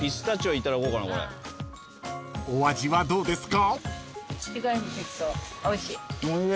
［お味はどうですか？］